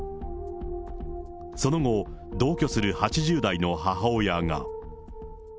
その後、同居する８０代の母親が。